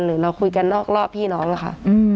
หรือเราคุยกันนอกรอบพี่น้องค่ะ